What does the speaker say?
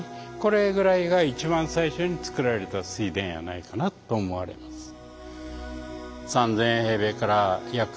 これぐらいが一番最初に作られた水田やないかなと思われます。